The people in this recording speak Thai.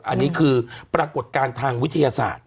อันนี้คือปรากฏการณ์ทางวิทยาศาสตร์